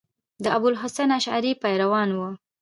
د ابو الحسن اشعري پیروان وو.